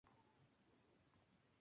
Su sede está en Lille.